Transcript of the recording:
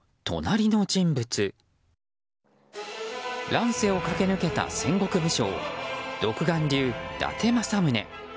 乱世を駆け抜けた戦国武将独眼竜・伊達政宗。